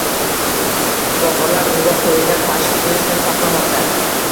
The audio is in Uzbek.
Shifokorlar unga qo‘yilgan tashxisni sir saqlamoqda